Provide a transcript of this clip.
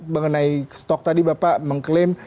mengenai stok tadi bapak mengklaim